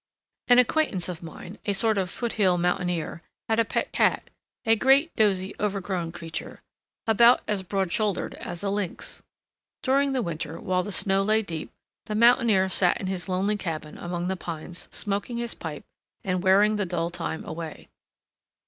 An acquaintance of mine, a sort of foot hill mountaineer, had a pet cat, a great, dozy, overgrown creature, about as broad shouldered as a lynx. During the winter, while the snow lay deep, the mountaineer sat in his lonely cabin among the pines smoking his pipe and wearing the dull time away.